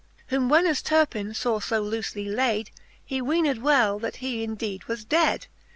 XX. Whom when as T'urpin faw fo loofely layd. He weened well, that he in deed was dead.